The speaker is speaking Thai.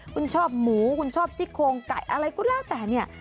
คุณชอบหมูคุณชอบซี่โครงไก่อะไรก็แล้วแต่เนี่ย